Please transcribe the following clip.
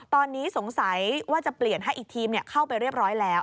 ตอนนี้สงสัยว่าจะเปลี่ยนให้อีกทีมเข้าไปเรียบร้อยแล้ว